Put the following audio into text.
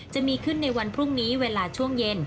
จะมีขึ้นในวันพรุ่งนี้เวลาช่วงเย็น